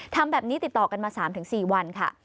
ทำแบบนี้ติดต่อกันมา๓๔วันค่ะ